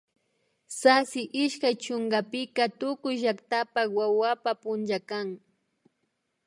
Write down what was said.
Sasi ishkay chunkapika tukuy llaktapak wawapa punlla kan